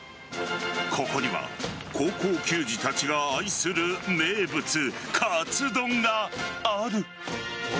ここには高校球児たちが愛する名物カツ丼がある。